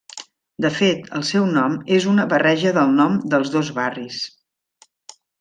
De fet, el seu nom és una barreja del nom dels dos barris.